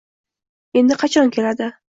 — Endi qachon keladi?